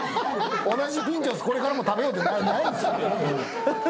「同じピンチョスこれからも食べよう」ってないんです。